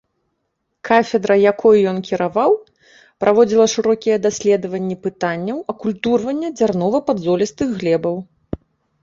Кафедра, якой ён кіраваў, праводзіла шырокія даследаванні пытанняў акультурвання дзярнова-падзолістых глебаў.